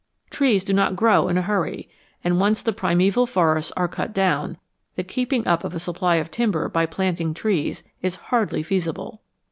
Trees do not grow in a hurry, and once the primeval forests are cut down, the keeping up of a supply of timber by planted trees is hardly feasible.